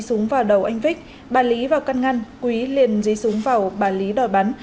súng vào đầu anh vích bà lý vào căn ngăn quý liền dí súng vào bà lý đòi bắn